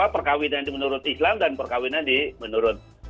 perkawinan itu menurut islam dan perkawinan di menurut